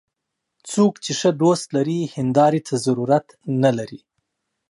څوک چې ښه دوست لري، هنداري ته ضرورت نه لري